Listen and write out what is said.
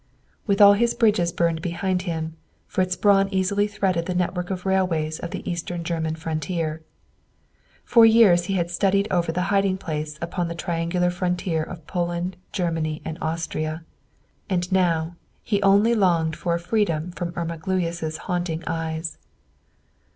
With all his bridges burned behind him, Fritz Braun easily threaded the network of railways of the Eastern German frontier. For years he had studied over the hiding place upon the triangular frontier of Poland, Germany, and Austria; and now, he only longed for a freedom from Irma Gluyas' haunting eyes.